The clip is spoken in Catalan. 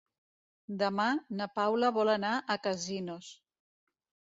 Demà na Paula vol anar a Casinos.